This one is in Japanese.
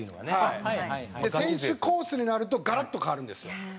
選手コースになるとガラッと変わるんですよ。